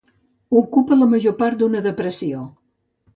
Ocupa la major part d'una depressió.